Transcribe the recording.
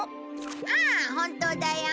ああ本当だよ。